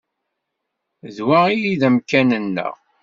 D wa ay d amkan-nneɣ.